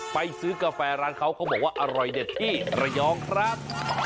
ไปซื้อกาแฟร้านเขาเขาบอกว่าอร่อยเด็ดที่ระยองครับ